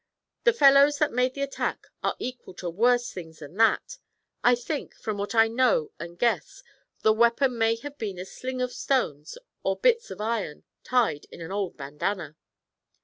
The fellows that made the attack are equal to worse things than that. I think, from what I know and guess at, the weapon may have been a sling of stones or bits of iron, tied in an old bandana.'